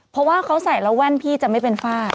เพราะว่าเขาใส่แล้วแว่นพี่จะไม่เป็นฝ้า